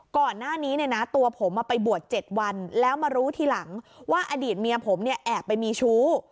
ก่อนหน้านี้เนี่ยนะตัวผมไปบวช๗วันแล้วมารู้ทีหลังว่าอดีตเมียผมเนี่ยแอบไปมีชู้